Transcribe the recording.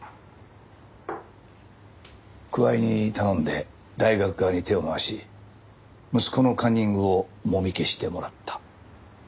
桑井に頼んで大学側に手を回し息子のカンニングをもみ消してもらった。